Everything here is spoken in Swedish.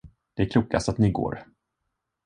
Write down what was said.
Det är klokast att ni går.